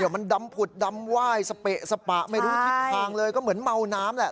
มันดำผุดดำไหว้สเปะสปะไม่รู้ทิศทางเลยก็เหมือนเมาน้ำแหละ